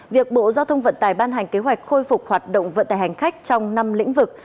việc bộ giao thông vận tải ban hành kế hoạch khôi phục hoạt động vận tải hành khách trong năm lĩnh vực